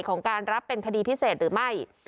ของการรับเป็นคดีพิเศษหรือไม่